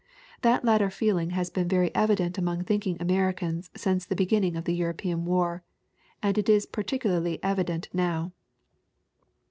That latter feeling has been very evi dent among thinking Americans since the beginning of the European war, and it is particularly evident now.